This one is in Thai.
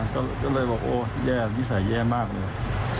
ก็เลยบอกโอ้แย่นิสัยแย่มากเลย